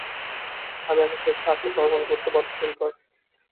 আমি এখন স্বেচ্ছায় আত্মসমর্পণ করতে বদ্ধপরিকর।